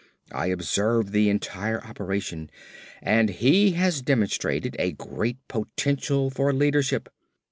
I observed the entire operation and he has demonstrated a great potential for leadership."